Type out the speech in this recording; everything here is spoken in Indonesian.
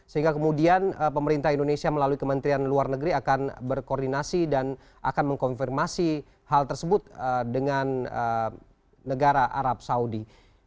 sehingga kemudian pemerintah indonesia melalui kementerian luar negeri akan berkoordinasi dan akan mengkonfirmasi hal tersebut dengan negara arab saudi